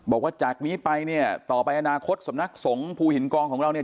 บอกว่าจากนี้ไปเนี่ยต่อไปอนาคตสำนักสงฆ์ภูหินกองของเราเนี่ย